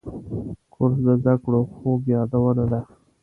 کورس د زده کړو خوږ یادونه ده.